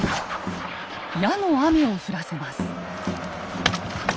矢の雨を降らせます。